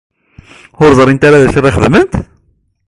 Ur ẓrint ara d acu ara xedment?